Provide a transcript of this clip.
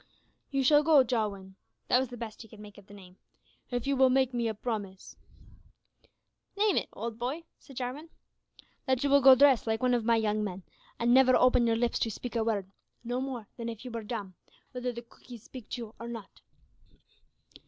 "You shall go, Jowin," (that was the best he could make of the name), "if you will make me a promise." "Name it, old boy," said Jarwin. "That you will go dressed like one of my young men, and never open your lips to speak a word, no more than if you were dumb, whether the Cookees speak to you or not."